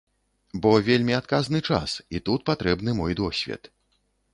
Бо вельмі адказны час, і тут патрэбны мой досвед.